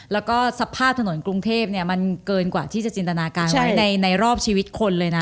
แล้วก็สภาพถนนกรุงเทพมันเกินกว่าที่จะจินตนาการไว้ในรอบชีวิตคนเลยนะ